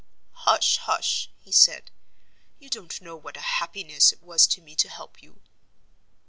"Hush! hush!" he said. "You don't know what a happiness it was to me to help you."